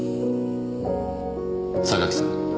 榊さん。